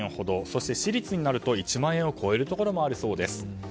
そして私立になると１万円を超えるところもあるそうです。